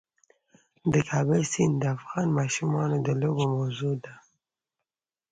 د کابل سیند د افغان ماشومانو د لوبو موضوع ده.